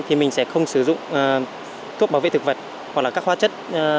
thì mình sẽ không sử dụng thuốc bảo vệ thực vật hoặc các hoa chất